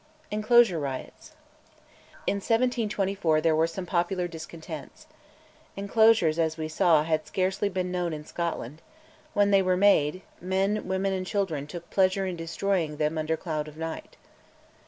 ENCLOSURE RIOTS. In 1724 there were some popular discontents. Enclosures, as we saw, had scarcely been known in Scotland; when they were made, men, women, and children took pleasure in destroying them under cloud of night.